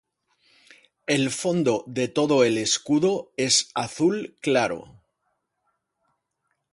El fondo de todo el escudo es azul claro.